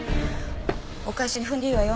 お返しに踏んでいいわよ。